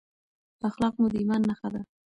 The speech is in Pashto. اخلاق مو د ایمان نښه ده.